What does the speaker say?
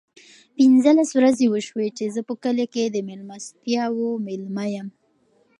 پینځلس ورځې وشوې چې زه په کلي کې د مېلمستیاوو مېلمه یم.